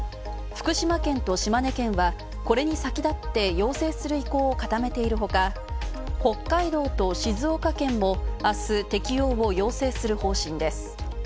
福島県と島根県は、これに先立って要請する意向を固めているほか北海道と静岡県も、あす適用を要請する方針です。